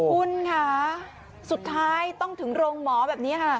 คุณค่ะสุดท้ายต้องถึงโรงหมอแบบนี้ค่ะ